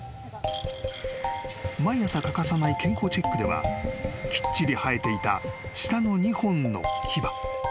［毎朝欠かさない健康チェックではきっちり生えていた下の２本の牙］